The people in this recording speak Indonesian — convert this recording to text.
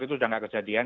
itu sudah tidak kejadian